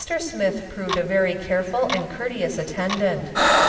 Smith proved a very careful and courteous attendant.